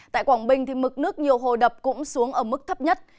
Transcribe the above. tại quảng bình mực nước nhiều hồ đập cũng xuống ở mức thấp nhất